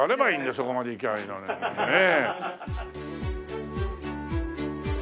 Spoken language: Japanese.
そこまでいきゃいいのにねえ。